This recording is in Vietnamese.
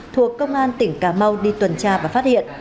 thuộc công an tỉnh cà mau đi tuần tra và phát hiện